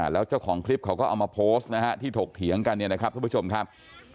แล้วเจ้าของคลิปเขาก็เอามาโพสต์นะฮะที่ถกเถียงกันเนี่ยนะครับทุกผู้ชมครับ